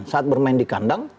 saat bermain di kandang